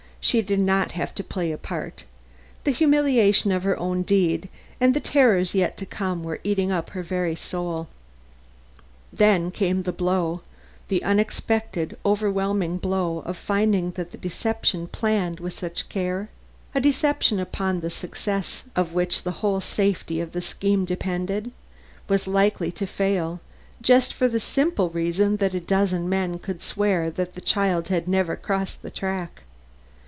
She did not have to play a part, the humiliation of her own deed and the terrors yet to come were eating up her very soul. Then came the blow, the unexpected, overwhelming blow of finding that the deception planned with such care a deception upon the success of which the whole safety of the scheme depended was likely to fail just for the simple reason that a dozen men could swear that the child had never crossed the track.